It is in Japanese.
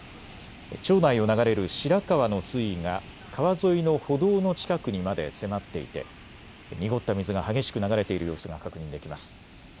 町内を流れる白川の水位が川沿いの歩道の近くにまで迫っていて濁った水が激しく流れている様子が確認できます。